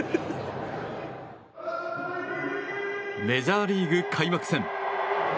メジャーリーグ開幕戦。